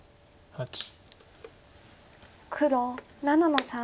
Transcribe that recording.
黒７の三。